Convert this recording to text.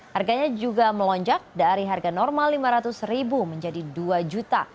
harganya juga melonjak dari harga normal rp lima ratus ribu menjadi rp dua